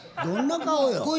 どんな顔よ。